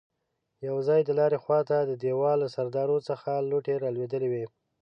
يو ځای د لارې خواته د دېوال له سرداو څخه لوټې رالوېدلې وې.